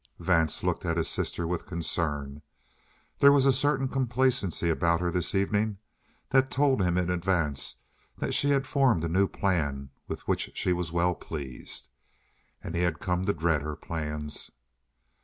Vance looked at his sister with concern. There was a certain complacency about her this evening that told him in advance that she had formed a new plan with which she was well pleased. And he had come to dread her plans.